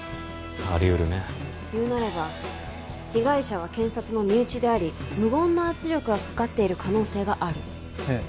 あり得るね言うなれば被害者は検察の身内であり無言の圧力がかかっている可能性があるええ